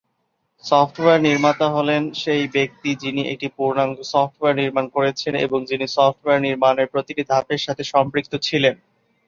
Software নির্মাতা হলেন সেই ব্যক্তি যিনি একটি পূর্ণাঙ্গ সফটওয়্যার নির্মাণ করেছেন এবং যিনি সফটওয়্যার নির্মাণের প্রতিটি ধাপের সাথে সম্পৃক্ত ছিলেন।